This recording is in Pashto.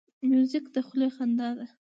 موزیک د خولې خندا ده.